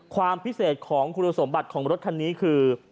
ความพิเศษของคุณสมบัติของรถคันนี้คือ